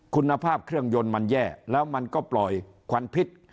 คุณภาพเครื่องยนต์มันแย่แล้วมันก็ปล่อยควันพิษ